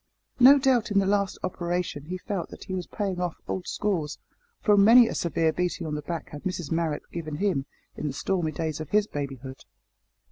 No doubt in this last operation he felt that he was paying off old scores, for many a severe beating on the back had Mrs Marrot given him in the stormy days of his babyhood.